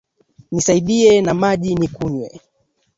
Nisaidie na maji nikunywe